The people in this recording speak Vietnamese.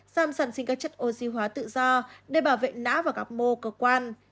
giảm sản sinh các chất oxy hóa tự do để bảo vệ nã và góc mô cơ quan